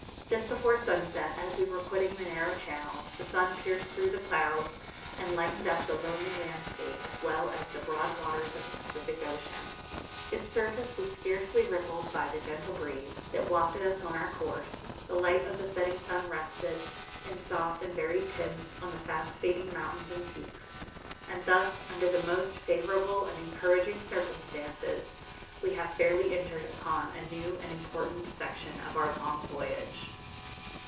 Just before sunset, as we were quitting the narrow channels, the sun pierced through the clouds and lightened up the lonely landscape as well as the broad waters of the Pacific Ocean. Its surface was scarcely rippled by the gentle breeze that wafted us on our course; the light of the setting sun rested, in soft and varied tints, on the fast fading mountains and peaks; and thus, under the most favourable and encouraging circumstances, we have fairly entered upon a new and important section of our long voyage.